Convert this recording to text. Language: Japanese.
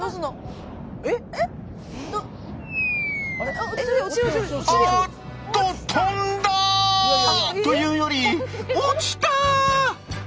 えっ⁉あっと飛んだ！というより落ちた！